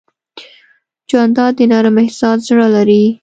جانداد د نرم احساس زړه لري.